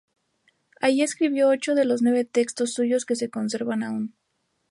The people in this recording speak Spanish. Allí escribió ocho de los nueve textos suyos que se conservan aún.